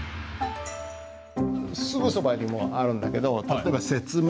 すぐそばにもあるんだけど例えば「説明」。